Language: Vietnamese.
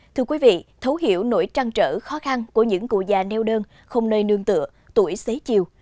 thưa quý vị thấu hiểu nỗi trăn trở khó khăn của những cụ già neo đơn không nơi nương tựa tuổi xế chiều